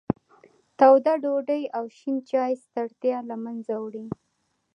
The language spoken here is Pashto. توده ډوډۍ او شین چای ستړیا له منځه وړي.